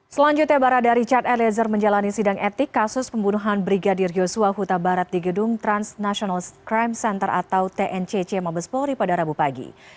selanjutnya barada richard eliezer menjalani sidang etik kasus pembunuhan brigadir joshua huta barat di gedung transnational crime center atau tncc mabes polri pada rabu pagi